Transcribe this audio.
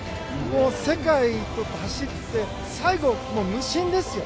世界と走って最後、無心ですよ。